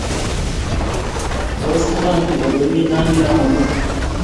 Tos iman ile koimi Nandi amut ii?